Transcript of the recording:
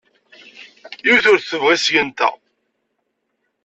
Yiwet ur t-tebɣi seg-nteɣ.